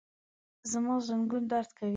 زما زنګون درد کوي